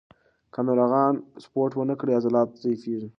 که ناروغان سپورت ونه کړي، عضلات ضعیفېږي.